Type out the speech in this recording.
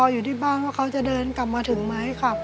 อยู่ที่บ้านว่าเขาจะเดินกลับมาถึงไหมครับ